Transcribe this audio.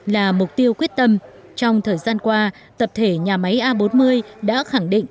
là mục tiêu quyết tâm trong thời gian qua tập thể nhà máy a bốn mươi đã khẳng định